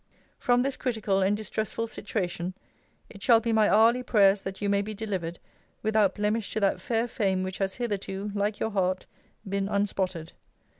From this critical and distressful situation, it shall be my hourly prayers that you may be delivered without blemish to that fair fame which has hitherto, like your heart, been unspotted.